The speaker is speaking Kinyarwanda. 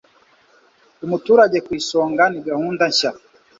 Umuturage ku isonga ni gahunda nshya